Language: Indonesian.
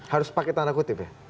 harus pakai tanda kutip ya